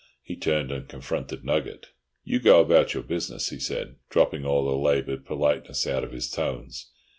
He turned and confronted Nugget. "You go about your business," he said, dropping all the laboured politeness out of his tones.